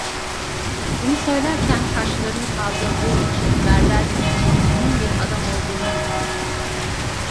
Bunu söylerken kaşlarını kaldırdığı için berber Yusuf'un mühim bir adam olduğuna hükmettim.